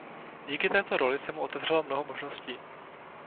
Díky této roli se mu otevřelo mnoho možností.